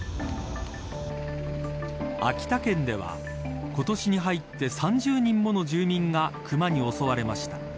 秋田県では今年に入って３０人もの住民が熊に襲われました。